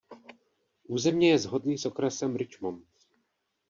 Územně je shodný s okresem Richmond.